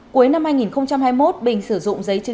cuối năm hai nghìn hai mươi một bình sử dụng giấy chứng